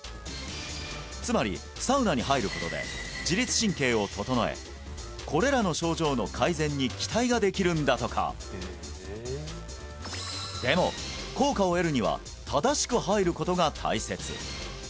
つまりサウナに入ることで自律神経を整えこれらの症状の改善に期待ができるんだとかでも効果を得るには正しく入ることが大切